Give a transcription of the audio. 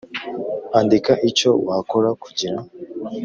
Andika icyo wakora kugira